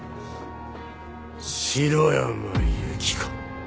城山由希子